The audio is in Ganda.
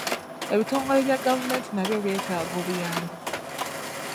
Ebitongole bya gavumenti nabyo byetaaga obuyambi?